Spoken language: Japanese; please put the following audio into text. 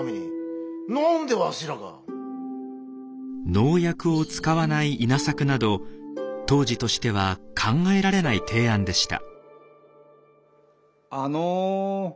農薬を使わない稲作など当時としては考えられない提案でした。